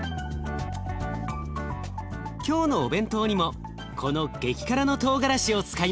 今日のお弁当にもこの激辛のトウガラシを使います。